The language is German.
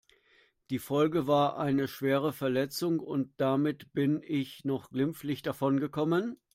Die Folge war eine schwere Verletzung und damit bin ich noch glimpflich davon gekommen.